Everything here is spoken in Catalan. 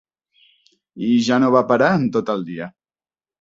...i ja no va parar en tot el dia.